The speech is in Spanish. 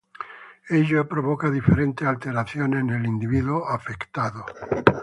Ello provoca diferentes alteraciones en el individuo afectado.